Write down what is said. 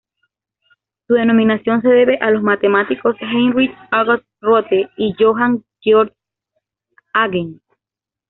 Su denominación se debe a los matemáticos Heinrich August Rothe y Johann Georg Hagen.